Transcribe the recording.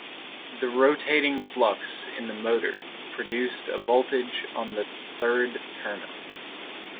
The rotating flux in the motor produces a voltage on the third terminal.